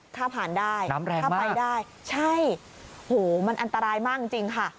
ถ้าผ่านได้ถ้าไปได้ใช่โหมันอันตรายมากจริงค่ะ